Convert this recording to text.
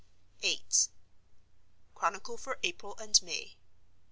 VIII. Chronicle for April and May.